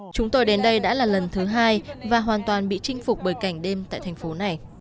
chúng tôi đến đây đã là lần thứ hai và hoàn toàn bị chinh phục bởi cảnh đêm tại thành phố này